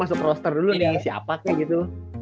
masuk roster dulu nih siapa kayak gitu